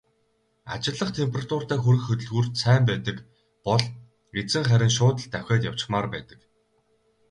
Ажиллах температуртаа хүрэх хөдөлгүүрт сайн байдаг бол эзэн харин шууд л давхиад явчихмаар байдаг.